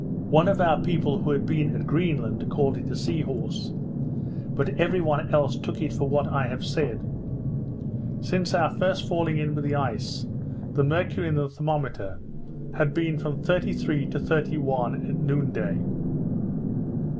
One of our people who had been at Greenland, called it a sea horse; but every one else took it for what I have said. Since our first falling in with the ice, the mercury in the thermometer had been from 33 to 31 at noon day.